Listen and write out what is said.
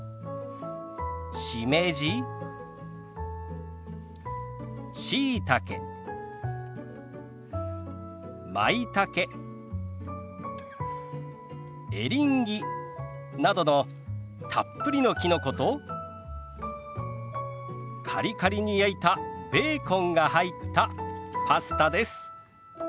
しめじしいたけまいたけエリンギなどのたっぷりのきのことカリカリに焼いたベーコンが入ったパスタです。